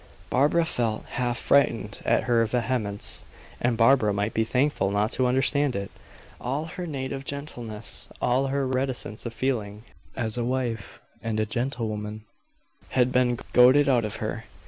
Barbara felt half frightened at her vehemence; and Barbara might be thankful not to understand it. All her native gentleness, all her reticence of feeling, as a wife and a gentlewoman, had been goaded out of her.